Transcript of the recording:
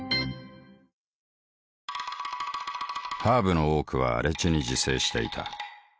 ハーブの多くは荒地に自生していた。